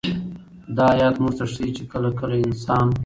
دا آيت موږ ته ښيي چې كله كله انسان